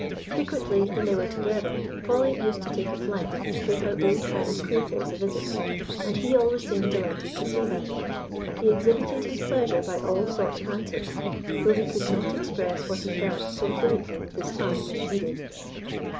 Frequently, when they were together, Polly used to take a flight, to pay her old friend Queerface a visit, and he always seemed delighted to see her. He exhibited his pleasure by all sorts of antics, though he could not express what he felt so fluently with his tongue as she did.